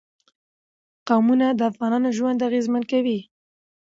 قومونه د افغانانو ژوند اغېزمن کوي.